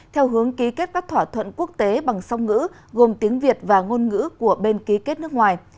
theo hướng ký kết các thỏa thuận quốc tế bằng song ngữ gồm tiếng việt và ngôn ngữ của bên ký kết nước ngoài